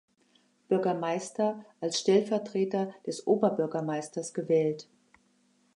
Bürgermeister als Stellvertreter des Oberbürgermeisters gewählt.